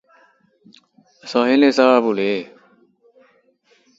Or, incarcerated as part of ethnic cleansing?